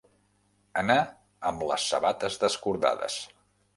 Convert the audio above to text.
Anar amb les sabates descordades.